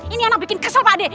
ini anak bikin kesel pak de